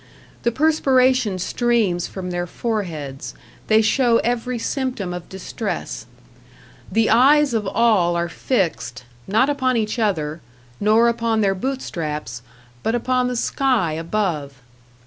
The perspiration streams from their foreheads, they show every symptom of distress; the eyes of all are fixed, not upon each other, nor upon their boot straps, but upon the sky above.